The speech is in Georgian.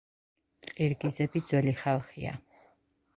ყირგიზები ძველი ხალხია.